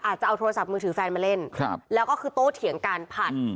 จะเอาโทรศัพท์มือถือแฟนมาเล่นแล้วก็คือโตเถียงกันผ่าน